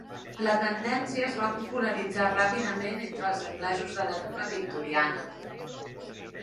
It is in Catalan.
La tendència es va popularitzar ràpidament entre els anglesos de l'època victoriana.